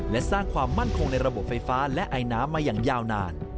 และสร้างความมั่นคงในระบบไฟฟ้าและไอน้ำมาอย่างยาวนาน